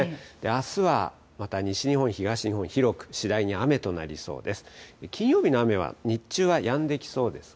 あすはまた西日本、東日本、広く次第に雨となりそうです。